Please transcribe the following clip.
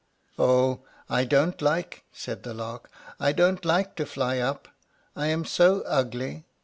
"Oh, I don't like," said the Lark, "I don't like to fly up, I am so ugly.